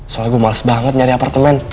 soalnya gue males banget nyari apartemen